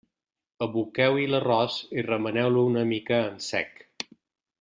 Aboqueu-hi l'arròs i remeneu-lo una mica en sec.